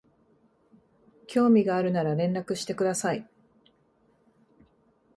興味があるなら連絡してください